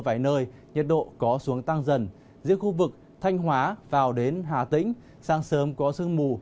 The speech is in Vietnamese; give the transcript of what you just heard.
trong vài nơi nhiệt độ có xuống tăng dần riêng khu vực thanh hóa vào đến hà tĩnh sáng sớm có sương mù